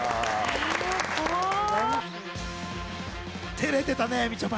照れてたねみちょぱ。